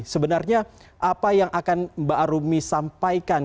sebenarnya apa yang akan mbak arumi sampaikan